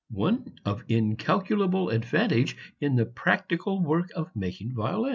one of incalculable advantage in the practical work of making violins!